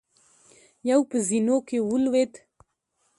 يو په زينو کې ولوېد.